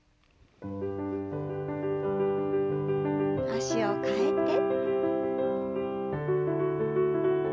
脚を替えて。